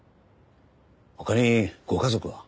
他にご家族は？